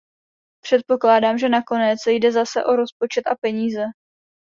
Předpokládám, že nakonec jde zase o rozpočet a peníze.